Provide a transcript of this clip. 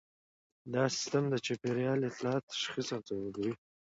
دا سیستم د چاپیریال اطلاعات تشخیص او ځوابوي